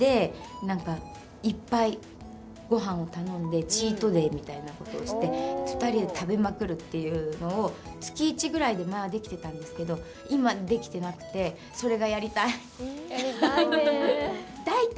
よく２人でみたいなことをして２人で食べまくるっていうのを月１ぐらいで前はできてたんですけど今できてなくて、それがやりたい。